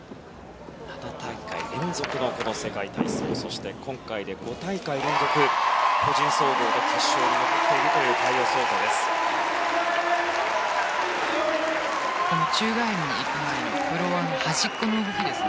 ７大会連続の世界体操そして、今回で５大会連続個人総合で決勝に残っているというカイオ・ソウザです。